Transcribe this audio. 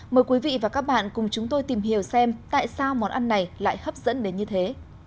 mời quý vị và các bạn cùng chúng tôi tìm hiểu xem tại sao món ăn này lại hấp dẫn đến như thế